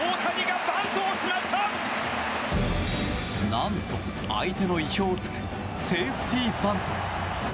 何と相手の意表を突くセーフティーバント。